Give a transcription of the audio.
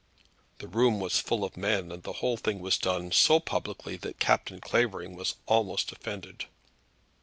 The room was full of men, and the whole thing was done so publicly that Captain Clavering was almost offended.